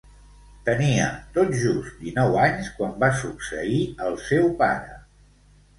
Tenia tot just dinou anys quan va succeir al seu pare.